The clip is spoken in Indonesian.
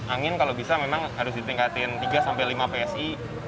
angin kalau bisa memang harus ditingkatin tiga sampai lima psi